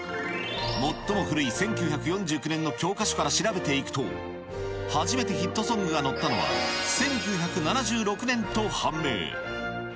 最も古い１９４９年の教科書から調べていくと、初めてヒットソングが載ったのは、１９７６年と判明。